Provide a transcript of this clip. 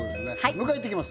迎え行ってきます